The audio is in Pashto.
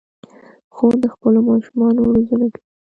خور د خپلو ماشومانو روزنه کوي.